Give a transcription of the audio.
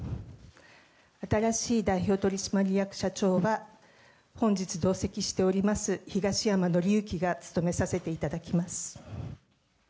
新しい代表取締役社長は、本日同席しております、東山紀之が務めさせていただきます。